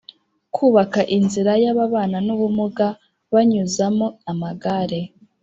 Kubaka inzira yababanan’ubumuga banyuzamo amagare